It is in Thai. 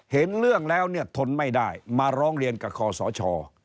เห็นเรื่องแล้วเนี่ยทนไม่ได้มาร้องเรียนกับคอสช